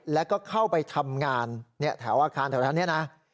แล้วก็เข้าไปทำงานแถวอาคารแถวนี้นะ